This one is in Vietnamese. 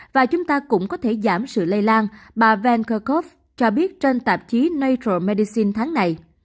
và chúng ta cũng có thể giảm sự lây lan bà van kerkhove cho biết trên tạp chí natural medicine tháng này